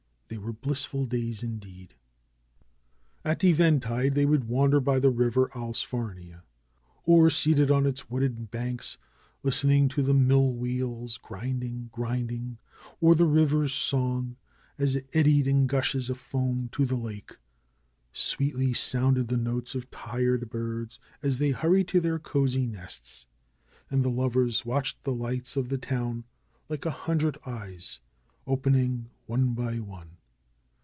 They were blissful days indeed. At eventide they would wander by the River Alls farnia. Or seated on its wooded banks, listen to the mill wheels, grinding, grinding, or the river's song, as it eddied in gushes of foam to the lake. Sweetly sounded the notes of tired birds as they hurried to their cosey nests. And the lovers watched the lights of the town, like a hundred eyes, opening one by one.